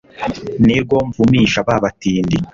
nirwo mvumisha ba batindi